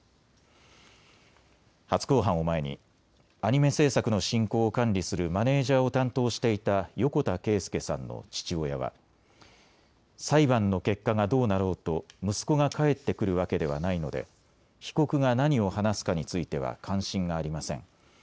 初公判を前にアニメ制作の進行を管理するマネージャーを担当していた横田圭佑さんの父親は裁判の結果がどうなろうと息子が帰ってくるわけではないので被告が何を話すかについては関心がありません。